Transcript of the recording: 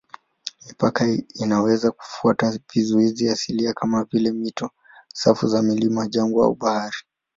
Mipaka inaweza kufuata vizuizi asilia kama vile mito, safu za milima, jangwa au bahari.